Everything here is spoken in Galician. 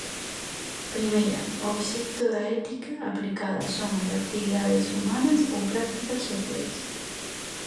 Primeira: o obxecto da ética aplicada son as actividades humanas ou prácticas sociais.